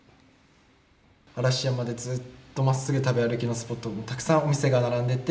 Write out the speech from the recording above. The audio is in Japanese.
嵐山でずっとまっすぐ食べ歩きのスポットたくさんお店が並んでて。